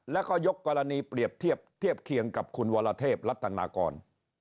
แล้วก็ยกกรณีเปรียบเทียบเทียบเคียงกับคุณวรเทพรัฐนากร